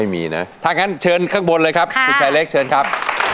มีตังค์แล้วแบบนี้ใช่ไหมครับ